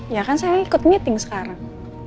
ya kan saya ikut meeting sekarang